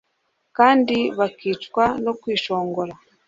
kandi bakicwa no kwishongora